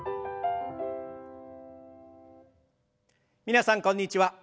皆さんこんにちは。